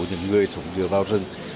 những người sống vừa vào rừng